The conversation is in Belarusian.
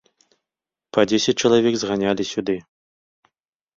Па дзесяць чалавек зганялі сюды.